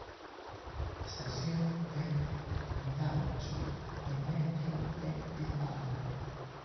Estación de Indautxu del Metro de Bilbao.